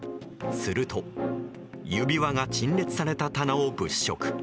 すると指輪が陳列された棚を物色。